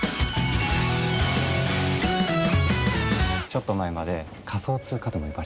ちょっと前まで仮想通貨とも呼ばれてた。